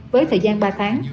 với thời gian ba tháng